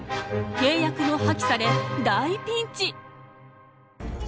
契約も破棄され大ピンチ！